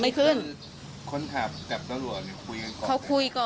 คนไหนน่ะบอกว่าผัวรอ